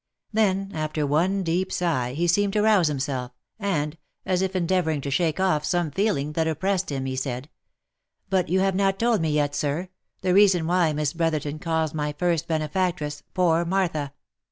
Then, after one deep sigh, he seemed to rouse himself; and, as if endeavouring to shake off some feeling that oppressed him, he said, " But you have not told me yet, sir, the reason why Miss Brotherton calls my first benefactress * poor Martha